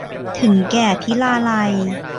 ถึงแก่พิราลัย